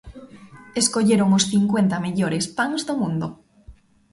Escolleron os cincuenta mellores pans do mundo.